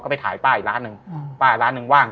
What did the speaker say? ไปถ่ายป้าอีกร้านหนึ่งป้าร้านหนึ่งว่าง